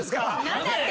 ⁉何だって？